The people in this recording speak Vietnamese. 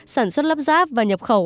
sản xuất lắp ráp và nhập khẩu